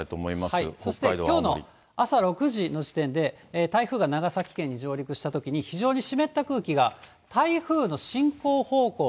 北海道、そしてきょうの朝６時の時点で、台風が長崎県に上陸したときに、非常に湿った空気が台風の進行方向